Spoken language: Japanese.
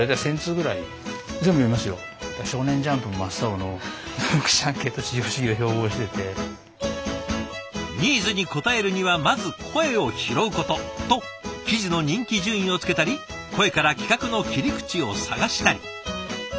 「少年ジャンプ」も真っ青のニーズに応えるにはまず声を拾うことと記事の人気順位をつけたり声から企画の切り口を探したり。